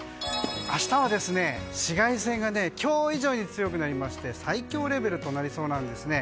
明日は紫外線が今日以上に強くなりまして最強レベルとなりそうなんです。